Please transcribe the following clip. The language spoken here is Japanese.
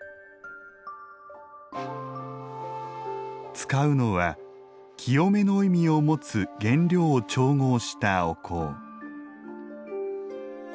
使うのは浄めの意味を持つ原料を調合したお香。